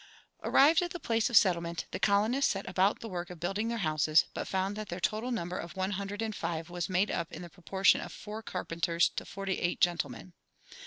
Arrived at the place of settlement, the colonists set about the work of building their houses, but found that their total number of one hundred and five was made up in the proportion of four carpenters to forty eight "gentlemen."